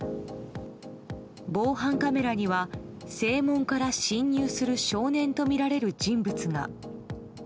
防犯カメラには正門から侵入する少年とみられる人物が。